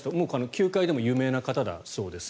球界でも有名な方だそうです。